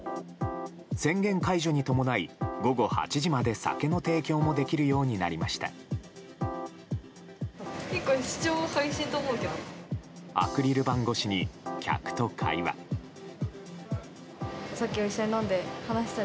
宣言解除に伴い午後８時まで酒の提供もできるようになりました。